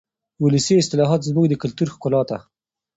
ولسي اصطلاحات زموږ د کلتور ښکلا ده.